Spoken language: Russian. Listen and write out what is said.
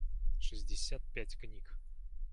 шестьдесят пять книг